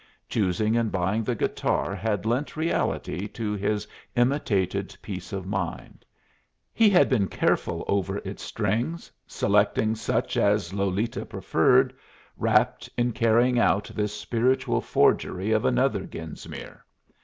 Choosing and buying the guitar had lent reality to his imitated peace of mind; he had been careful over its strings, selecting such as Lolita preferred, wrapt in carrying out this spiritual forgery of another Genesmere.